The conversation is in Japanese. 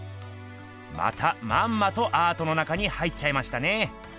またまんまとアートの中に入っちゃいましたね。